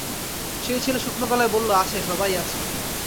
সেই ছেলে শুকনো গলায় বলল, আছে, সবাই আছে।